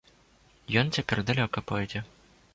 Ён цяпер далёка пойдзе.